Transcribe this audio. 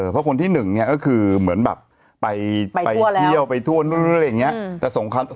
เพราะคนที่หนึ่งเนี่ยก็คือเหมือนแบบไปเที่ยวไปทั่วนู่นอะไรอย่างนี้